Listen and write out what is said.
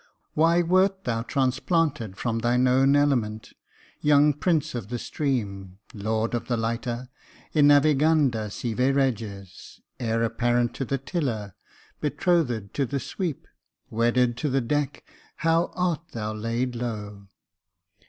Why wert thou transplanted from thine own element ? Young prince of the stream — lord of the lighter —* Enaviganda sive reges '— heir apparent to the tiller — be trothed to the sweep — wedded to the deck — how art thou Jacob Faithful 45 laid low